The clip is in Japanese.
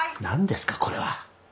何ですかこれは。